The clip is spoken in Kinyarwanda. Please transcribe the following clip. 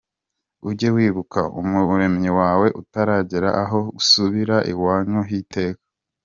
Ujye wibuka Umuremyi wawe utaragera aho gusubira iwanyu h’iteka.